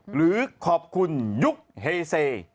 หรือขอบคุณยุคเฮเซ